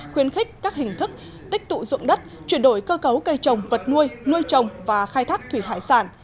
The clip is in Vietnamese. khuyến khích các hình thức tích tụ dụng đất chuyển đổi cơ cấu cây trồng vật nuôi nuôi trồng và khai thác thủy hải sản